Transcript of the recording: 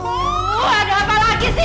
ada apa lagi sih